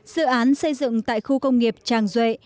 dự án xây dựng tại khu công nghiệp tràng duệ